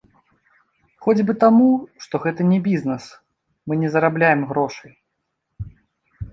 Хоць бы таму, што гэта не бізнес, мы не зарабляем грошай.